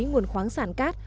nguồn khoáng sản cát